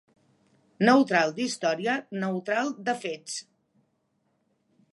Neutral d'historia, neutral de fets